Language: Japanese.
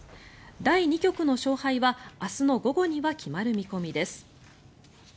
第２局の勝敗は明日の午後には決まる見込みです。